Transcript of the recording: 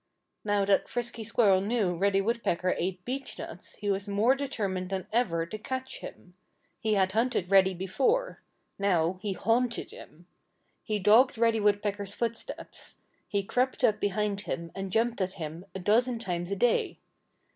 Now that Frisky Squirrel knew Reddy Woodpecker ate beechnuts he was more determined than ever to catch him. He had hunted Reddy before. Now he haunted him. He dogged Reddy Woodpecker's footsteps. He crept up behind him and jumped at him a dozen times a day.